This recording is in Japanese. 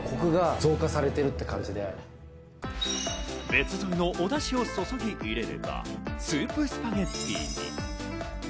別添えのお出汁を注ぎ入れれば、スープスパゲッティに。